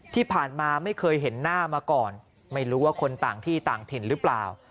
ที่ผ่านมาไม่เคยเห็นหน้ามาก่อนไม่รู้ว่าคนต่างที่ต่างถิ่นหรือเปล่า